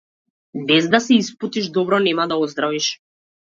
Без да се испотиш добро нема да оздравиш.